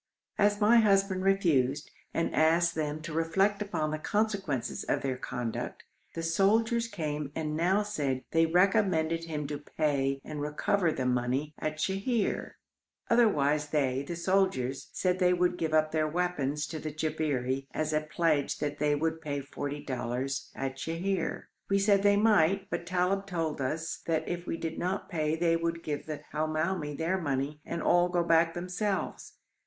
As my husband refused, and asked them to reflect upon the consequences of their conduct, the soldiers came and now said they recommended him to pay and recover the money at Sheher; otherwise they, the soldiers, said they would give up their weapons to the Jabberi as a pledge that they would pay forty dollars at Sheher. We said they might, but Talib told us that if we did not pay they would give the Hamoumi their money and all go back themselves.